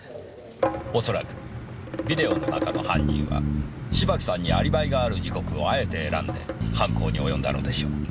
恐らくビデオの中の犯人は芝木さんにアリバイがある時刻をあえて選んで犯行に及んだのでしょう。